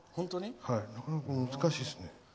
なかなか難しいですね。